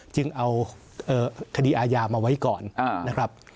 จึงเอาคดีอาญามาไว้ก่อนนะครับ